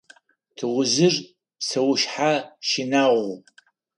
Тыгъужъыр псэушъхьэ щынагъу.